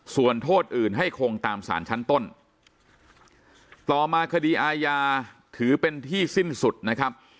ส่วนโทษอื่นให้คงตามสารชั้นต้นต่อมาคดีอาญาถือเป็นที่สิ้นสุดนะครับ